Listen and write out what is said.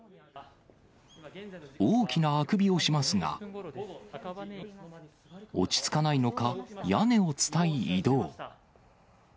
大きなあくびをしますが、落ち着かないのか、屋根を伝い、移動。